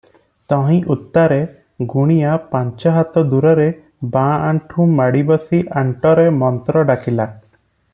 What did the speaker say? ତହିଁ ଉତ୍ତାରେ ଗୁଣିଆ ପାଞ୍ଚହାତ ଦୂରରେ ବାଆଁ ଆଣ୍ଠୁ ମାଡି ବସି ଆଣ୍ଟରେ ମନ୍ତ୍ର ଡାକିଲା-